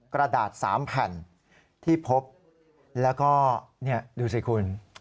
กระดาษ๓แผ่นที่พบแล้วก็นี่ดูสิคุณ